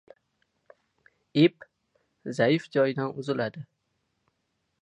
• Ip zaif joyidan uziladi.